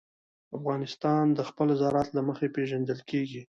افغانستان د خپل زراعت له مخې پېژندل کېږي.